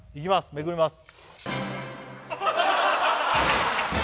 めくります